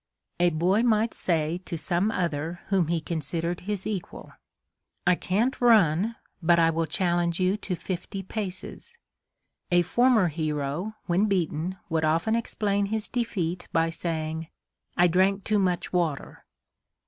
A boy might say to some other whom he considered his equal: "I can't run; but I will challenge you to fifty paces." A former hero, when beaten, would often explain his defeat by saying: "I drank too much water."